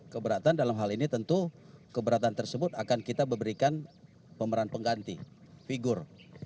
keberatan dalam hal ini tentu keberatan tersebut akan kita berikan pemeran pengganti figur